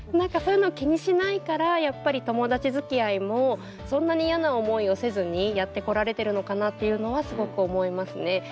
そういうのを気にしないからやっぱり友達づきあいもそんなに嫌な思いをせずにやってこられてるのかなっていうのはすごく思いますね。